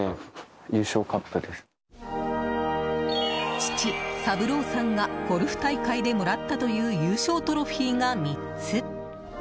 父・三郎さんがゴルフ大会でもらったという優勝トロフィーが３つ。